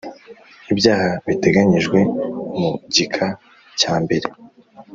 Ibyaha biteganyijwe mu gika cya mbere